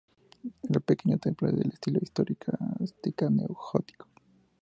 El pequeño templo es de estilo historicista neogótico.